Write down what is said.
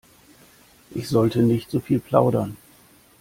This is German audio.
Ich sollte nicht so viel plaudern.